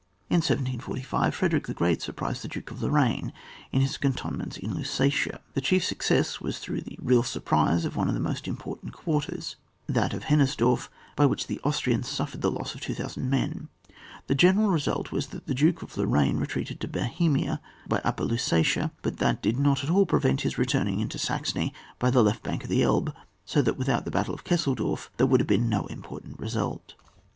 In 1745, Frederick the Great sur prised the Duke of Lorraine in his can tonments in Lusatia; the chief success was through the real surprise of one of the most important quarters, that of liennersdorf, by which the Austrians suffered a loss of 2,000 men ; the general result was that the Duke of Lorraine re treated to Bohemia by Upper Lusatia, but that did not at all prevent his re turning into Saxony by the left bank of the Elbe, so that without the battle of Xesselsdorf, there would have been no important result.